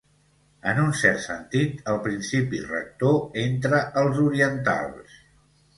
En un cert sentit, el principi rector entre els orientals.